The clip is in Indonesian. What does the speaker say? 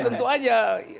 iya tentu aja